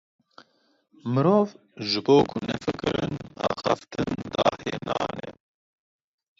Mirov ji bo ku nefikirin, axaftin dahênane.